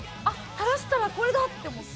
垂らしたらこれだ！って思って。